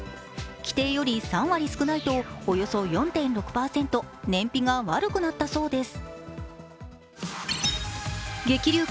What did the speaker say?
規定より３割少ないとおよそ６．４％、燃費が悪くなったそうです。